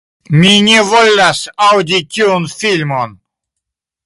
"Mi ne volas aŭdi tiun filmon!"